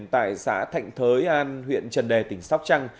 tại xã thạnh thới an huyện trần đề tỉnh sóc trăng